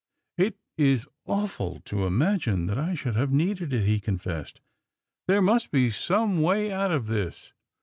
"It is awful to imagine that I should have needed it," he confessed. "There must be some way out of this.